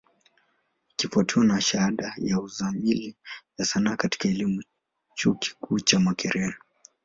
Ikifwatiwa na shahada ya Uzamili ya Sanaa katika elimu, chuo kikuu cha Makerere.